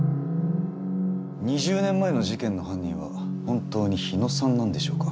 ２０年前の事件の犯人は本当に日野さんなんでしょうか。